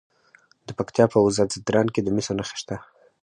د پکتیا په وزه ځدراڼ کې د مسو نښې شته.